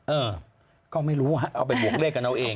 เออก็ไม่รู้ฮะเอาไปบวกเลขกันเอาเอง